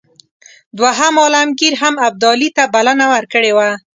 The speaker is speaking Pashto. دوهم عالمګیر هم ابدالي ته بلنه ورکړې وه.